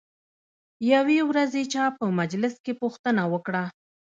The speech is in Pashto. یوې ورځې چا په مجلس کې پوښتنه وکړه.